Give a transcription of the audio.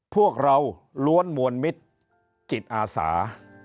พวกเราล้วนมวลมิตรจิตอาสา